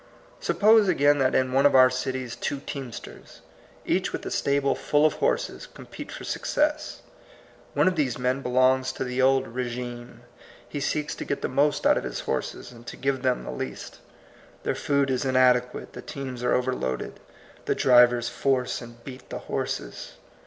Suppose, again, that in one of our cities two teamsters, each with a stable full of horses, compete for success. One of these men belongs to the old rSgime. He seeks to get the most out of his horses and to give them the least. Their food is inade quate, the teams are overloaded, the drivers force and beat the horses.